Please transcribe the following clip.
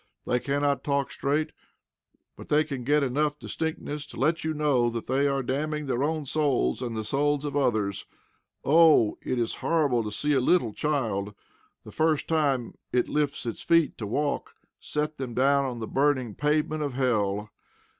They cannot talk straight, but they get enough distinctness to let you know that they are damning their own souls and the souls of others. Oh! it is horrible to see a little child, the first time it lifts its feet to walk, set them down on the burning pavement of hell!